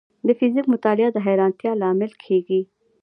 د فزیک مطالعه د حیرانتیا لامل کېږي.